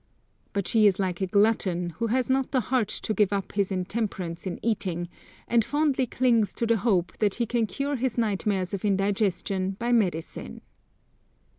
But she is like a glutton, who has not the heart to give up his intemperance in eating, and fondly clings to the hope that he can cure his nightmares of indigestion by medicine.